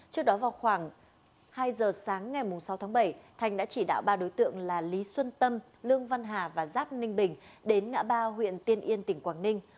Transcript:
trước đó vào khoảng hai giờ sáng ngày sáu tháng bảy thành đã chỉ đạo ba đối tượng là lý xuân tâm lương văn hà và giáp ninh bình đến ngã ba huyện tiên yên tỉnh quảng ninh